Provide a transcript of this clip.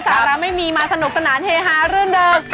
สาระไม่มีมาสนุกสนานเฮฮาเรื่องเดิม